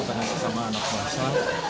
karena sesama anak kuasa